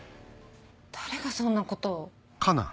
誰がそんなことを。